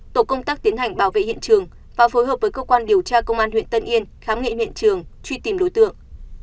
tổ công tác tiến hành bảo vệ hiện trường và phối hợp với cơ quan điều tra công an huyện tân yên khám nghiệm trường truy tìm đối tượng